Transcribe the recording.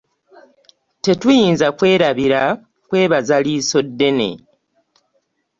Tetuyinza kwerabira kwebaza Liisoddene.